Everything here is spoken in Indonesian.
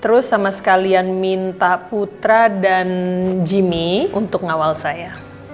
terus sama sekalian minta putra dan jimmy untuk ngawal saya